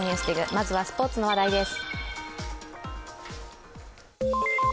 まずはスポーツの話題です。